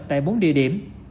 tại bốn địa điểm